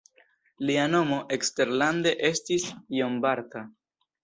Lia nomo eksterlande estis John Bartha.